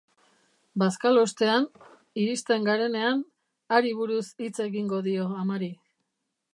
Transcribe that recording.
Bazkalostean, iristen garenean, hari buruz hitz egingo dio amari.